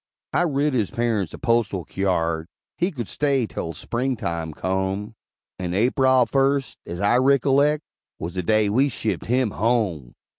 I writ his parents a postal kyard, He could stay 'tel Spring time come; And Aprile first, as I rickollect, Was the day we shipped him home!